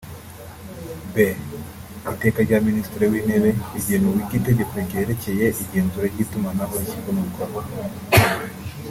b) Iteka rya Minisitiri w’Intebe rigena uburyo Itegeko ryerekeye igenzura ry’itumanaho rishyirwa mu bikorwa